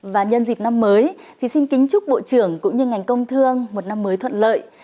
và nhân dịp năm mới thì xin kính chúc bộ trưởng cũng như ngành công thương một năm mới thuận lợi